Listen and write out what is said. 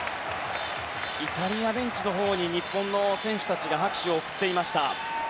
イタリアベンチに日本の選手たちが拍手を送っていました。